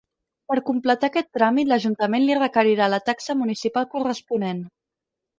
Per completar aquest tràmit l'ajuntament li requerirà la taxa municipal corresponent.